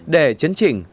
để chấn chỉnh